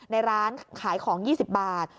ในร้านขายของ๒๐บาท